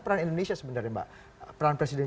peran indonesia sebenarnya mbak peran presiden